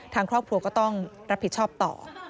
ทางครอบครัวก็ต้องรับผิดชอบต่อ